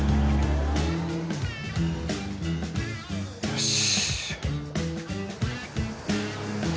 よし！